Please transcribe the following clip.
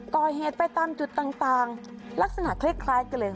ก่อเหตุไปตามจุดต่างลักษณะคล้ายกันเลย